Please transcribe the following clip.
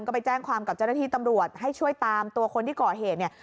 ก็ไปแจ้งความกับเจ้าหน้าที่ตำรวจให้ช่วยตามตัวคนที่ก่อเหตุเนี่ย